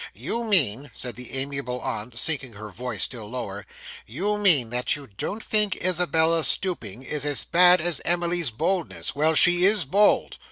'You mean,' said the amiable aunt, sinking her voice still lower 'you mean, that you don't think Isabella's stooping is as bad as Emily's boldness. Well, she is bold!